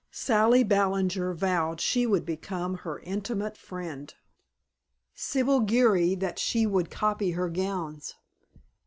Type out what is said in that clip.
Sally Ballinger vowed she would become her intimate friend, Sibyl Geary that she would copy her gowns.